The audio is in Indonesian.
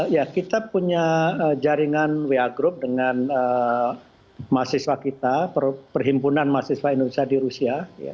ya kita punya jaringan wa group dengan mahasiswa kita perhimpunan mahasiswa indonesia di rusia